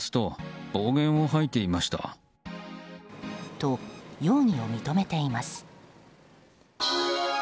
と、容疑を認めています。